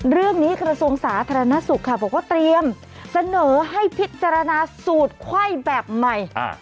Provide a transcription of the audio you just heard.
เรื่องนี้กระทรวงศาสตร์ธรรณสุขค่ะบอกว่าเตรียมเสนอให้พิจารณาสูตรไข้แบบใหม่